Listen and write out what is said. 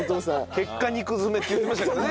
「結果肉詰め」って言ってましたね